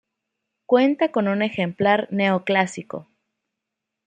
Cuenta con un ejemplar neoclásico.